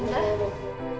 masih ada atau tidak ada